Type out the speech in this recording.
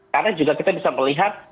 karena juga kita bisa melihat